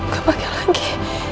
gak pake lagi